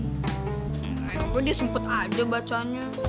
haika boleh disempet aja bacanya